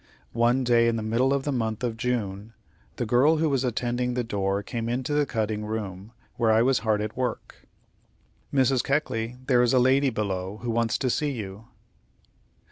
One day, in the middle of the month of June, the girl who was attending the door came into the cutting room, where I was hard at work: "Mrs. Keckley, there is a lady below, who wants to see you."